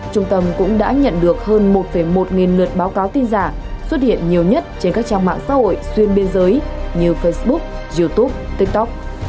trung tâm cũng đã nhận được hơn một một nghìn lượt báo cáo tin giả xuất hiện nhiều nhất trên các trang mạng xã hội xuyên biên giới như facebook youtube tiktok